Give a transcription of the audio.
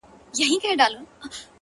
• ډيره مننه مهربان شاعره ـ